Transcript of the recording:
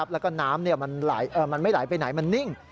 แล้วก็น้ำมันไม่ไหลไปไหนมันนิ่ง